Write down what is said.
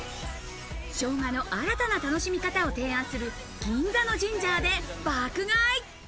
生姜の新たな楽しみ方を提案する銀座のジンジャーで爆買い。